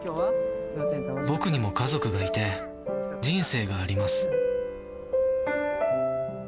僕にも家族がいて、人生があります。